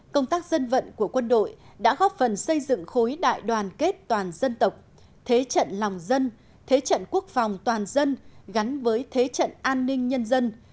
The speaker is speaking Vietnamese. công tác dân vận của quân đội đã góp phần xây dựng khối đại đoàn kết toàn dân tộc thế trận lòng dân thế trận quốc phòng toàn dân gắn với thế trận an ninh nhân dân